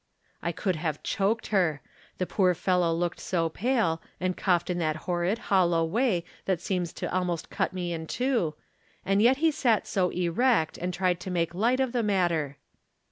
I could have choked her. The poor fellow looked so pale, and coughed in that horrid, hol low way that seems to almost cut me in two ; and yet he sat so erect and tried to make light of the matter.